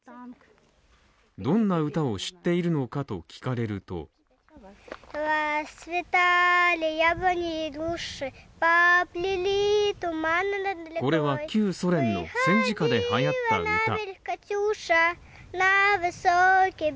どんな歌を知っているのかと聞かれるとこれは旧ソ連の戦時下ではやった歌。